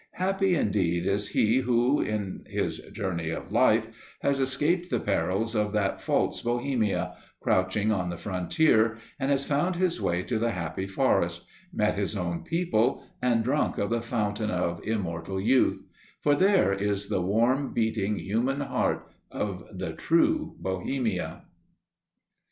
Happy indeed is he who, in his journey of life, has escaped the perils of that false Bohemia, crouching on the frontier, and has found his way to the happy forest, met his own people and drunk of the Fountain of Immortal Youth; for there is the warm, beating, human heart of the True Bohemia!